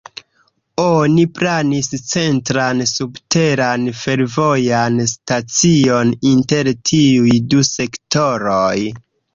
Oni planis centran subteran fervojan stacion inter tiuj du sektoroj.